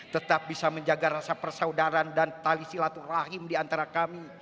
tetap bisa menjaga rasa persaudaran dan tali silaturahim di antara kami